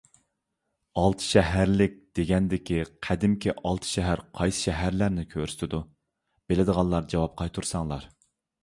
«ئالتەشەھەرلىك» دېگەندىكى قەدىمكى ئالتە شەھەر قايسى شەھەرلەرنى كۆرسىتىدۇ؟ بىلىدىغانلار جاۋاب قايتۇرساڭلار.